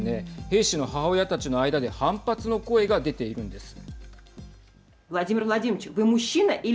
兵士の母親たちの間で反発の声が出ているんです。